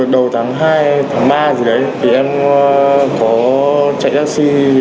đầu tháng hai tháng ba gì đấy thì em có chạy taxi